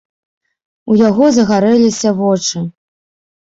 У яго загарэліся вочы.